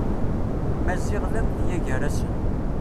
Maziɣ d amedya gar-asen.